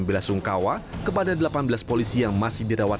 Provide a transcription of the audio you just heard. belasungkawa kepada delapan belas polisi yang masih dirawat